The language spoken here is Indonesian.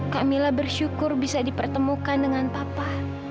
kamila bersyukur bisa dipertemukan dengan papa